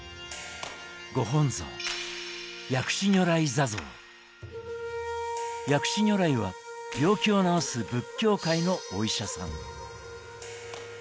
ご本尊薬師如来は病気を治す仏教界のお医者さん。